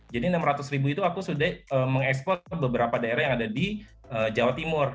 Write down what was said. jadi rp enam ratus itu aku sudah mengekspor ke beberapa daerah yang ada di jawa timur